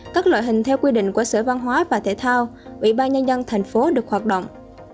các loại hình theo quy định của sở văn hóa và thể thao ủy ban nhân dân thành phố được hoạt động